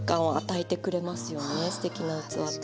すてきな器って。